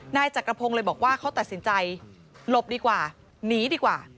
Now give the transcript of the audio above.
นายจักรพงศ์เลยบอกว่าเขาตัดสินใจหลบดีกว่าหนีดีกว่า